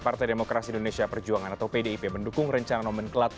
partai demokrasi indonesia perjuangan atau pdip mendukung rencana nomenklatur